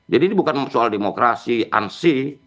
jadi ini bukan soal demokrasi ansi